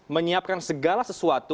menyiapkan segala sesuatu